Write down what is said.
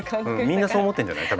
みんなそう思ってんじゃない？